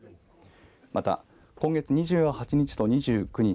また今月２８日と２９日